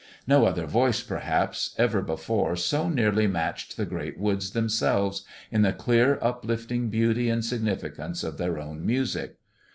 No other voice, perhaps, ever before so nearly matched the great woods themselves in the clear, uplift ing beauty and significance of their own music.